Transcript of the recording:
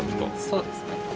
そうですね。